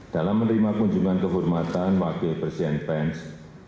dalam menerima kunjungan kehormatan wakil presiden pens